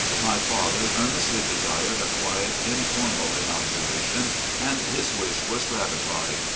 My father earnestly desired a quiet, informal inauguration, and his wish was gratified.